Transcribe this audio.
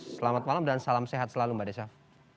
selamat malam dan salam sehat selalu mbak desaf